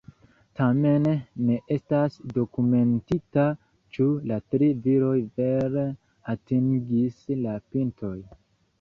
Tamen ne estas dokumentita, ĉu la tri viroj vere atingis la pinton.